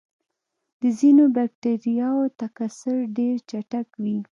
د ځینو بکټریاوو تکثر ډېر چټک وي.